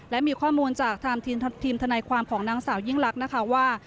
และมีข้อมูลจากทางทีมทนายความของนางสาวยิ่งลักษณ์นะคะว่า